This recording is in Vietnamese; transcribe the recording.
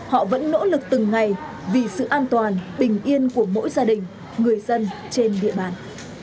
họ vẫn nỗ lực từng ngày vì sự an toàn bình yên của mỗi gia đình người dân trên địa bàn